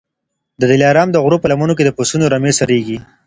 د دلارام د غرو په لمنو کي د پسونو رمې څرېږي